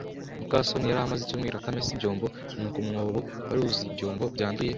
muka soni yari amaze icyumweru atamesa ibyombo, nuko umwobo wari wuzuye ibyombo byanduye.